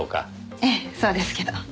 ええそうですけど。